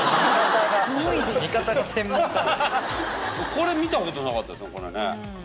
これ見たことなかったですね。